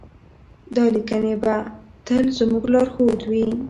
دا لیکنې به تل زموږ لارښود وي.